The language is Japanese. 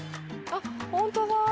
あっ本当だ。